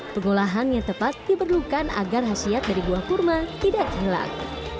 pengolahan yang tepat diperlukan agar hasil dari buah kurma tidak hilang